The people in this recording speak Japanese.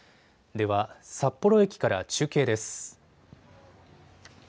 では札幌駅から中継です。